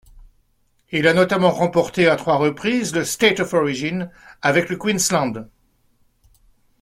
Il a notamment remporté à trois reprises le State of Origin avec le Queensland.